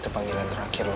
itu panggilan terakhir lu ma